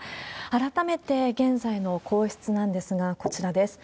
改めて現在の皇室なんですが、こちらです。